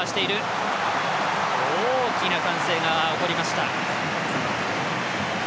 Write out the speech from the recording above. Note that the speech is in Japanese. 大きな歓声が起こりました。